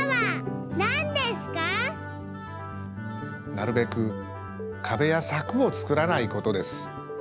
なるべくかべやさくをつくらないことです。